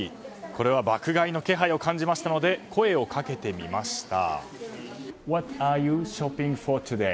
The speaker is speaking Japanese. これは爆買いの気配を感じましたので声をかけてみました。